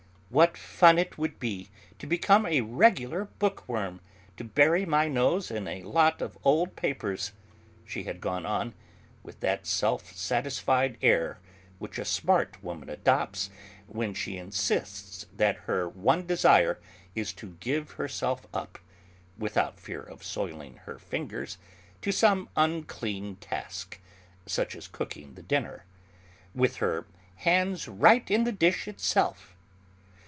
What fun it would be to become a regular bookworm, to bury my nose in a lot of old papers!" she had gone on, with that self satisfied air which a smart woman adopts when she insists that her one desire is to give herself up, without fear of soiling her fingers, to some unclean task, such as cooking the dinner, with her "hands right in the dish itself."